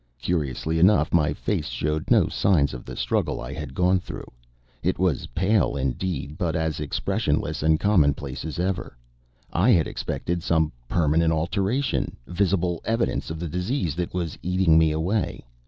Curiously enough my face showed no signs of the struggle I had gone through. It was pale indeed, but as expression less and commonplace as ever. I had expected some permanent alteration visible evidence of the disease that was eating me away.